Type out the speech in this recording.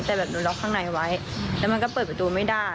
แต่แบบหนูล็อกข้างในไว้แล้วมันก็เปิดประตูไม่ได้